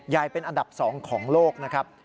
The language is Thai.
ใหญ่เป็นอันดับ๒ของโลกนะครับ